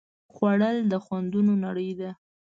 خوړل د خوندونو نړۍ ده